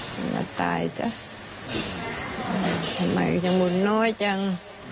จะตายซะทำไมก็ยังหมุนน้อยจัง